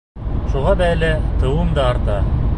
Шуға бәйле тыуым да арта.